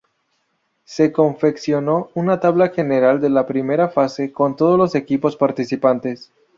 Se confeccionó una tabla general de la Primera fase, con todos los equipos participantes.